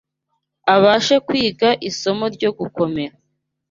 abashe kwiga isomo ryo gukomera